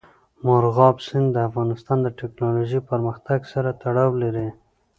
مورغاب سیند د افغانستان د تکنالوژۍ پرمختګ سره تړاو لري.